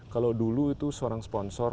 kalau dulu itu seorang sponsor